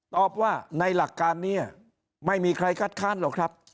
ตอบว่าในหลักการนี้ไม่มีใครคัดค้านหรอกครับ